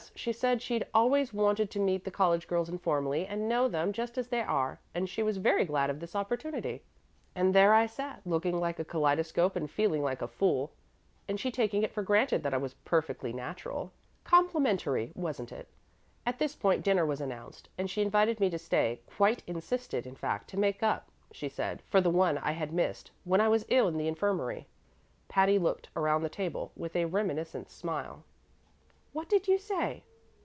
She said she'd always wanted to meet the college girls informally and know them just as they are, and she was very glad of this opportunity. And there I sat, looking like a kaleidoscope and feeling like a fool, and she taking it for granted that I was being perfectly natural. Complimentary, wasn't it? At this point dinner was announced, and she invited me to stay quite insisted, in fact, to make up, she said, for the one I had missed when I was ill in the infirmary." Patty looked around the table with a reminiscent smile. "What did you say?